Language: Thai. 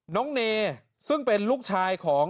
น้องเนซึ่งเป็นลูกชายของ